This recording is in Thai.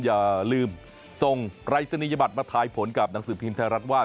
อย่าลืมส่งปรายศนียบัตรมาทายผลกับหนังสือพิมพ์ไทยรัฐว่า